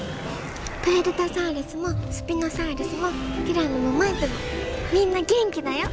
プエルタサウルスもスピノサウルスもティラノもマイプもみんな元気だよ。